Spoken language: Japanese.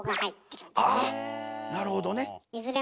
なるほどね。